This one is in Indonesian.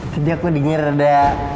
tidak kok denger ada